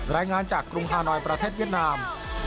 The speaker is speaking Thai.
รายงานจากกรุงฮานอยประเทศเวียดนาม